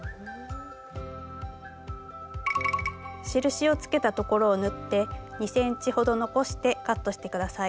印をつけたところを縫って２ｃｍほど残してカットして下さい。